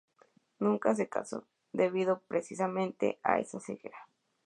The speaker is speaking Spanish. Nunca se casó, debido precisamente a esa ceguera.